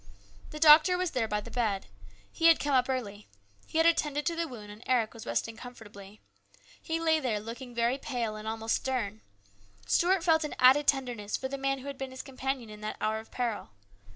The doctor was there by the bed. He had come up early. He had attended to the wound, and Eric was resting comfortably. He lay there looking very pale and almost stern. Stuart felt an added tender ness for the man who had been his companion in that hour of peril.